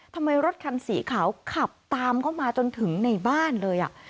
ทำไมรถคันสีขาวขับตามเข้ามาจนถึงในบ้านเลย